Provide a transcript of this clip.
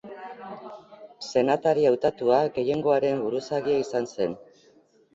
Senatari hautatua, gehiengoaren buruzagia izan zen.